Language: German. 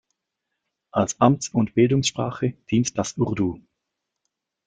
Als Amts- und Bildungssprache dient das Urdu.